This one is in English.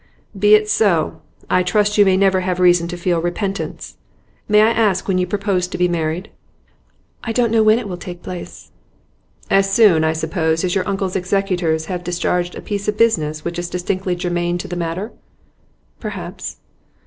'Be it so. I trust you may never have reason to feel repentance. May I ask when you propose to be married?' 'I don't know when it will take place.' 'As soon, I suppose, as your uncle's executors have discharged a piece of business which is distinctly germane to the matter?' 'Perhaps.